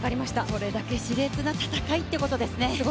それだけしれつな戦いということですね。